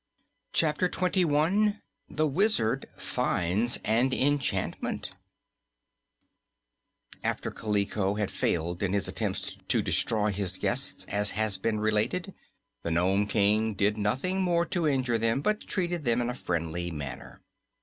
Chapter Twenty One The Wizard Finds an Enchantment After Kaliko had failed in his attempts to destroy his guests, as has been related, the Nome King did nothing more to injure them but treated them in a friendly manner.